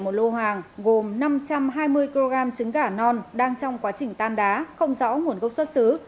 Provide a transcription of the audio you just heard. một lô hàng gồm năm trăm hai mươi kg trứng gà non đang trong quá trình tan đá không rõ nguồn gốc xuất xứ